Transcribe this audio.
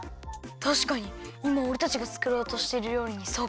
たしかにいまおれたちがつくろうとしてるりょうりにそっくり！